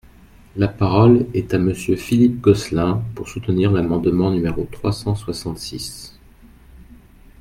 La parole est à Monsieur Philippe Gosselin, pour soutenir l’amendement numéro trois cent soixante-six.